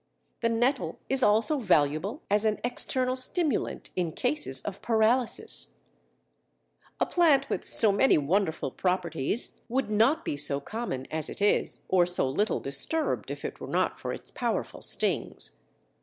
The nettle is also valuable as an external stimulant in cases of paralysis. Memories of the Month, First Series, p. 73. A plant with so many wonderful properties would not be so common as it is, or so little disturbed, if it were not for its powerful stings.